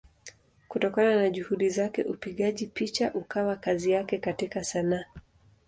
Kutokana na Juhudi zake upigaji picha ukawa kazi yake katika Sanaa.